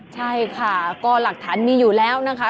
ใช่ค่ะก็หลักฐานมีอยู่แล้วนะคะ